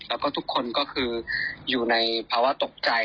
แล้วก็ทุกคนก็คืออยู่ในภาวะตกใจ